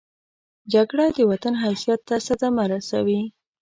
جګړه د وطن حیثیت ته صدمه رسوي